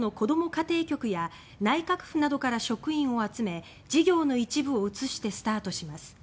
家庭局や内閣府などから職員を集め事業の一部を移してスタートします。